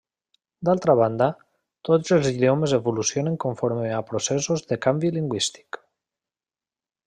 D'altra banda, tots els idiomes evolucionen conforme a processos de canvi lingüístic.